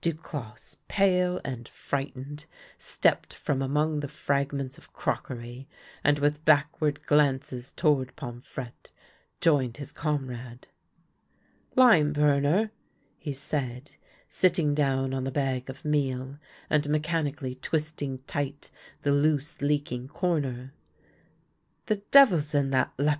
Duclosse, pale and frightened, stepped from among the fragments of crockery, and with backward glances toward Pomfrette joined his comrade. " Lime burner," he said, sitting down on the bag of meal, and mechanically twisting tight the loose, leak ing corner, " the devil's in that leper."